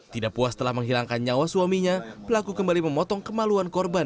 tidak puas setelah menghilangkan nyawa suaminya pelaku kembali memotong kemaluan korban